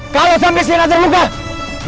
kalo sampe sienna terluka gue cari lo